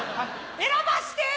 選ばして！